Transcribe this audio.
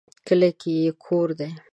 کلي کې یې کور دی